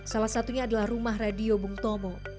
salah satunya adalah rumah radio bung tomo